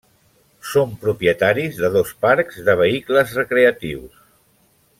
Són propietaris de dos parcs de vehicles recreatius.